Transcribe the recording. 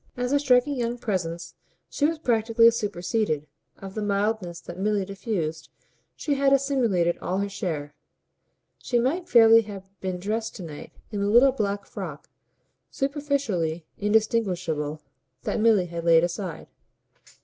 As a striking young presence she was practically superseded; of the mildness that Milly diffused she had assimilated all her share; she might fairly have been dressed to night in the little black frock, superficially indistinguishable, that Milly had laid aside.